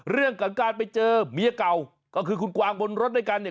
เรื่องของการไปเจอเมียเก่าก็คือคุณกวางบนรถด้วยกันเนี่ย